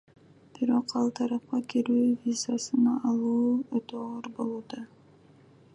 Бирок ал тарапка кирүү визасын алуу өтө оор болууда.